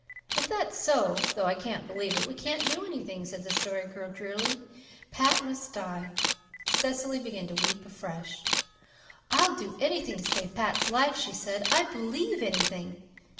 "If that's so though I can't believe it we can't do anything," said the Story Girl drearily. "Pat must die." Cecily began to weep afresh. "I'd do anything to save Pat's life," she said. "I'd BELIEVE anything."